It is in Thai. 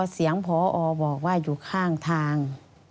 เสียงพอออบอกว่าอยู่ข้างทาง